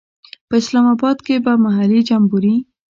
په اسلام آباد کې به محلي جمبوري.